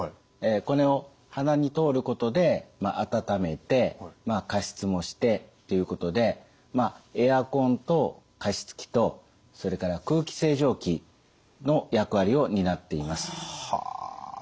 これを鼻に通ることで温めて加湿もしてということでエアコンと加湿器とそれから空気清浄機の役割を担っています。